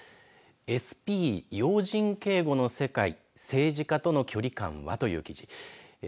ＳＰ要人警護の世界政治家との距離感はという記事です。